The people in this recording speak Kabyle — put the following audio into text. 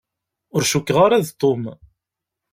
Ur cukkeɣ ara d Tom.